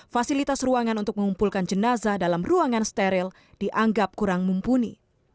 fasilitas ruangan untuk mengumpulkan jenazah dalam ruangan steril dianggap kurang mumpuni